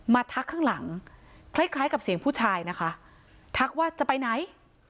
ทักข้างหลังคล้ายคล้ายกับเสียงผู้ชายนะคะทักว่าจะไปไหน